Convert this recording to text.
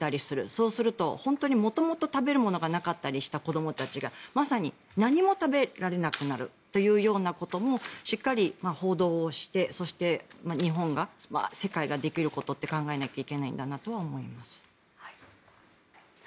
そうすると本当に元々、食べるものがなかったりした子どもたちまさに何も食べられなくなるということもしっかり報道してそして、日本が世界ができることって考えなきゃいけないんだろうなと思います。